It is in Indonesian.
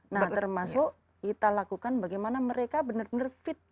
nah termasuk kita lakukan bagaimana mereka benar benar fit